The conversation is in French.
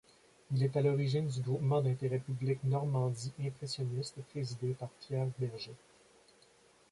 Il est à l'origine du Groupement d'intérêt public Normandie impressionniste présidé par Pierre Bergé.